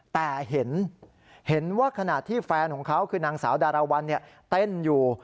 แต่เห็นว่าขณะที่แฟนของเขาคือนางสาวดาราวัลเต้นอยู่